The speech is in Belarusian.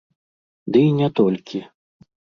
Ды і не толькі.